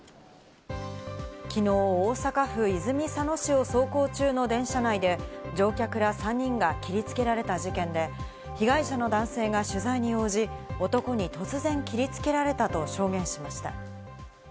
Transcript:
きのう大阪府泉佐野市を走行中の電車内で乗客ら３人が切り付けられた事件で、被害者の男性が取材に応じ、男に突然切りつけられたと証言しました。